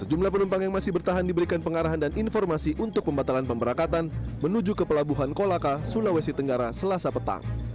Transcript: sejumlah penumpang yang masih bertahan diberikan pengarahan dan informasi untuk pembatalan pemberangkatan menuju ke pelabuhan kolaka sulawesi tenggara selasa petang